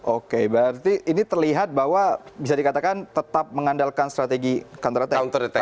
oke berarti ini terlihat bahwa bisa dikatakan tetap mengandalkan strategi kantor atm